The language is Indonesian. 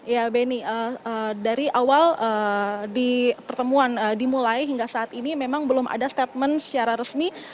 ya benny dari awal pertemuan dimulai hingga saat ini memang belum ada statement secara resmi